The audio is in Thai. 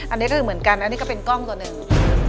อันนี้ก็คือเหมือนกันอันนี้ก็เป็นกล้องตัวหนึ่ง